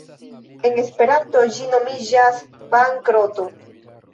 “En Esperanto ĝi nomiĝas ‘bankroto’.